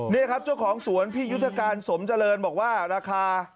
นี่ครับเจ้าของสวนพี่ยุทธการสมเจริญบอกว่าราคา